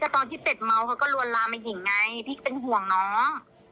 ตอนที่เป็ดเมาเขาก็ลวนลามมาหญิงไงพี่เป็นห่วงน้อง